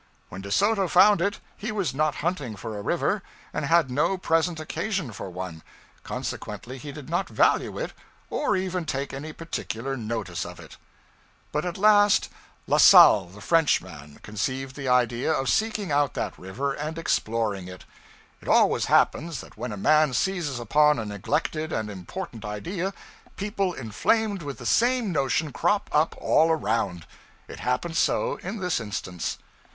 When De Soto found it, he was not hunting for a river, and had no present occasion for one; consequently he did not value it or even take any particular notice of it. But at last La Salle the Frenchman conceived the idea of seeking out that river and exploring it. It always happens that when a man seizes upon a neglected and important idea, people inflamed with the same notion crop up all around. It happened so in this instance.